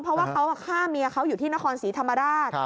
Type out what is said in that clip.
เพราะว่าเขาฆ่าเมียเขาอยู่ที่นครศรีธรรมราช